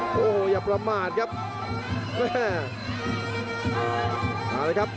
โอ้โหอย่าประมาทครับ